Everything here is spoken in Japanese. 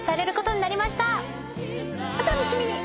お楽しみに！